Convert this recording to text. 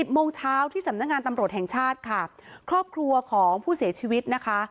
โมงเช้าที่สำนักงานตำรวจแห่งชาติค่ะครอบครัวของผู้เสียชีวิตนะคะ